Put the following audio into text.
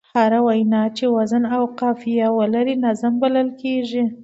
هره وينا چي وزن او قافیه ولري؛ نظم بلل کېږي.